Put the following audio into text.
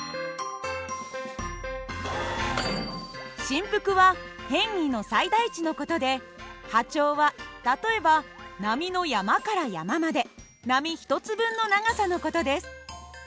振幅は変位の最大値の事で波長は例えば波の山から山まで波１つ分の長さの事です。